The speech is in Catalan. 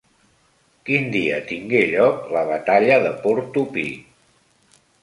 Quin dia tingué lloc la batalla de Portopí?